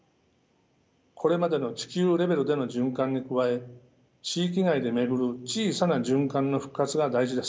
これまでの地球レベルでの循環に加え地域内で巡る小さな循環の復活が大事です。